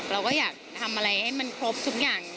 เราก็อยากทำอะไรให้มันครบทุกอย่าง